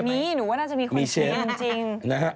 มีหนูว่าน่าจะมีคนชิมจริง